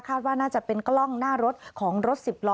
ว่าน่าจะเป็นกล้องหน้ารถของรถสิบล้อ